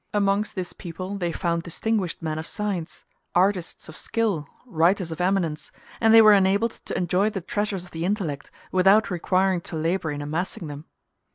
Amongst this people they found distinguished men of science, artists of skill, writers of eminence, and they were enabled to enjoy the treasures of the intellect without requiring to labor in amassing them.